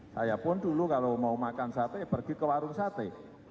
saya pun dulu kalau mau makan sate pergi ke warung sate